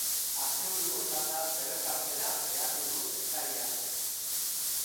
Asteburuko txanda berrezartzera behartu du eskariak.